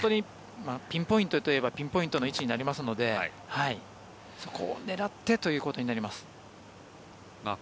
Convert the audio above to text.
ピンポイントといえばピンポイントの位置になりますのでそこを狙ってということになります。